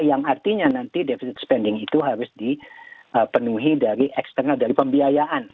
yang artinya nanti defisit spending itu harus dipenuhi dari eksternal dari pembiayaan